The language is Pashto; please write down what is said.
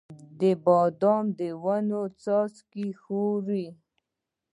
باد د ونو څانګې ښوروي